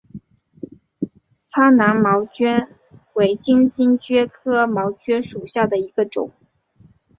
苍南毛蕨为金星蕨科毛蕨属下的一个种。